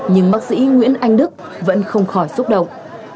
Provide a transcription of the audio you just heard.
nhưng bác sĩ nguyễn anh đức vẫn không khỏi xúc động